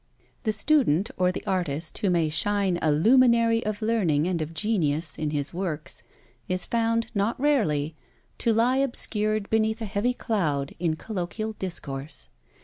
The student or the artist who may shine a luminary of learning and of genius, in his works, is found, not rarely, to lie obscured beneath a heavy cloud in colloquial discourse.